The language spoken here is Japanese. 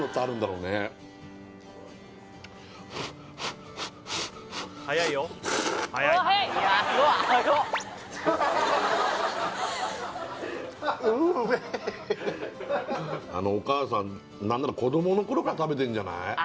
うめえあのお母さん何なら子どもの頃から食べてるんじゃない？